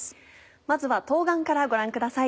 まずは冬瓜からご覧ください。